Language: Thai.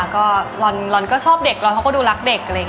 ก็ลอนก็ชอบเด็กลอนเขาก็ดูรักเด็ก